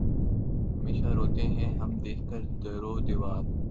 ہمیشہ روتے ہیں ہم دیکھ کر در و دیوار